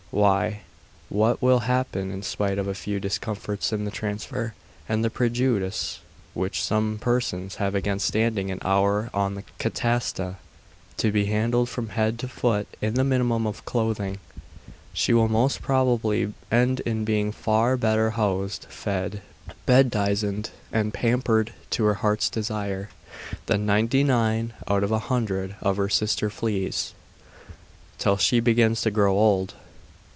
Why what will happen to her? She will betaken to Rome, and sold as a slave.... And in spite of a few discomforts in the transfer, and the prejudice which some persons have against standing an hour on the catasta to be handled from head to foot in the minimum of clothing, she will most probably end in being far better housed, fed, bedizened, and pampered to her heart's desire, than ninety nine out of a hundred of her sister fleas.... till she begins to grow old....